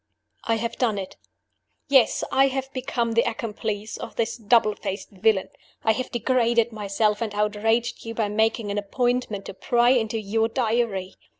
"I have done it. "Yes! I have become the accomplice of this double faced villain. I have degraded myself and outraged you by making an appointment to pry into your Diary.